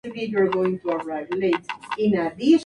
Aquel día los navegantes no desembarcaron.